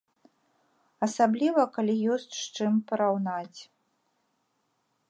Асабліва калі ёсць з чым параўнаць.